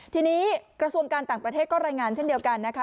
ทีนี้กระทรวงการต่างประเทศก็รายงานเช่นเดียวกันนะคะ